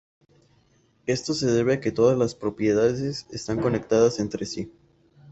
Esto se debe a que todas las propiedades están conectadas entre sí.